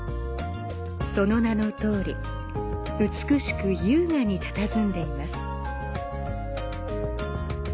その名の通り、美しく優雅にたたずんでいます。